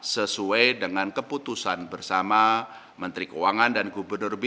sesuai dengan keputusan bersama menteri keuangan dan gubernur bin